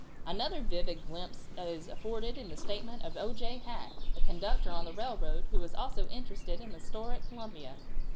Another vivid glimpse is afforded in the statement of O.J. Hack, a conductor on the railroad, who was also interested in a store at Columbia.